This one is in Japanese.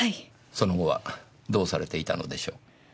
その後はどうされていたのでしょう？